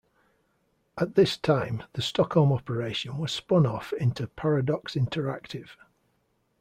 At this time, the Stockholm operation was spun off into Paradox Interactive.